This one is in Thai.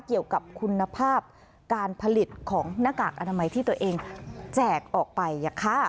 เกี่ยวกับคุณภาพการผลิตของหน้ากากอนามัยที่ตัวเองแจกออกไป